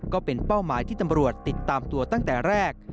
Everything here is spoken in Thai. ก็เป็นเป้าหมายที่ตำรวจติดตามตัวตั้งแต่แรก